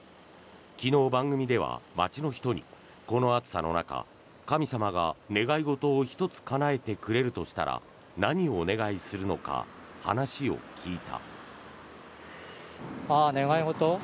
昨日、番組では街の人にこの暑さの中神様が願い事を１つかなえてくれるとしたら何をお願いするのか話を聞いた。